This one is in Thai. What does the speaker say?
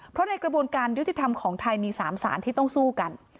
เพราะในกระบวนการยุติธรรมของไทยมี๓สารที่ต้องสู้กัน